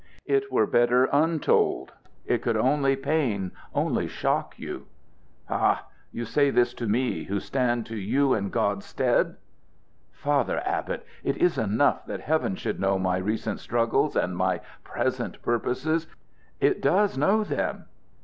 "It were better untold. It could only pain only shock you." "Ha! You say this to me, who stand to you in God's stead?" "Father Abbot, it is enough that Heaven should know my recent struggles and my present purposes. It does know them."